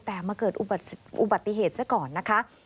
แต่มาเกิดอุบัติเหตุซะก่อนนะคะ